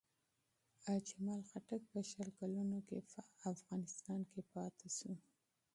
اجمل خټک په شل کلونو کې په افغانستان کې پاتې شو.